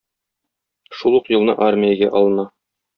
Шул ук елны армиягә алына.